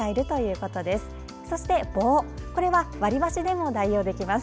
これは割り箸でも代用できます。